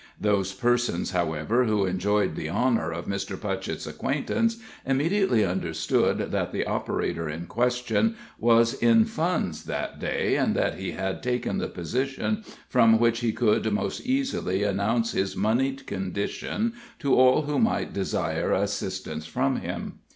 Those persons, however, who enjoyed the honor of Mr. Putchett's acquaintance immediately understood that the operator in question was in funds that day, and that he had taken the position from which he could most easily announce his moneyed condition to all who might desire assistance from him.